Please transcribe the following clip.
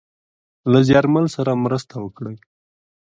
له زیارمل سره مرسته وکړﺉ .